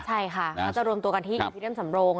ใช่ค่ะเขาจะรวมตัวกันที่อิทธิเรียมสำโรง